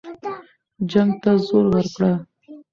جنګ ته زور ورکړه.